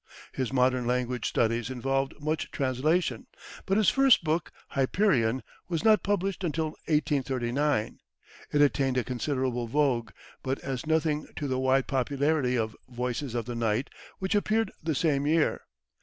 His modern language studies involved much translation, but his first book, "Hyperion," was not published until 1839. It attained a considerable vogue, but as nothing to the wide popularity of "Voices of the Night," which appeared the same year.